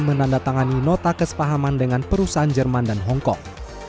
menandatangani nota kesepahaman dengan perusahaan jerman dan hongkong